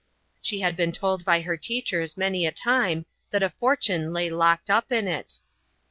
She had been told by her teachers many a time that a fortune lay locked up in it.